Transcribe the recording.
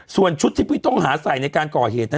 ส่วนชุดที่ผู้ต้องหาใส่ในการก่อเหตุนั้น